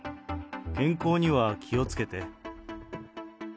健康には気をつけて。